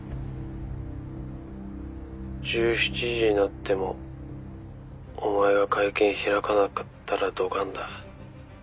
「１７時になってもお前が会見開かなかったらドカンだ」